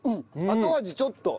後味ちょっと。